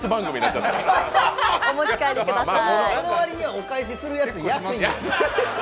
その割にはお返しするやつ安いんですよ。